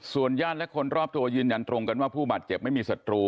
ส่วนย่านและคนรอบตัวยืนยันตรงกันว่าผู้บัดเจ็บไม่มีสัตว์ตรู